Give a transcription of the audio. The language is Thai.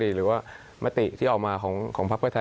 หรือว่ามติที่ออกมาของพักเพื่อไทย